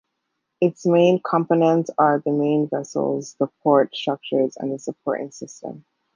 Its main components are the main vessel, the port structures and the supporting system.